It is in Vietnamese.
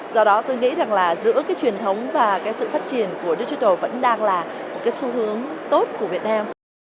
do đó tôi nghĩ rằng là giữa cái truyền thống và cái sự phát triển của digital vẫn đang là một cái xu hướng tốt của việt nam